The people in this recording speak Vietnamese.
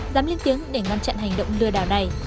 dám liên tiếng để ngăn chặn hành động lừa đào này